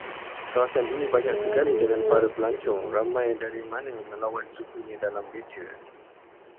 Kawasan ini banyak sekali dengan para pelancong, ramai dari mana melawat sukunya dalam beca